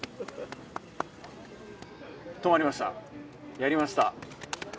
止まりました、やりました。